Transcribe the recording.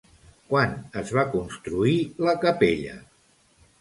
Quan es va construir la capella?